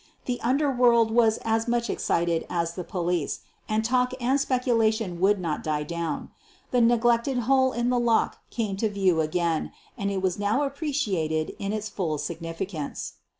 The underworld was as much excited as the police, and talk and speculation would not die down. The neglected hole in the lock came to view again, and it was now appreciated in its full significance.